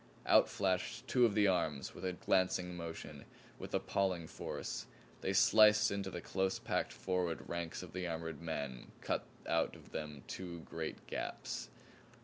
Out flashed two of the arms, with a glancing motion, with appalling force. They sliced into the close packed forward ranks of the armored men; cut out of them two great gaps.